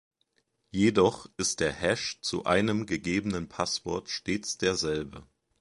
Jedoch ist der Hash zu einem gegebenen Passwort stets derselbe.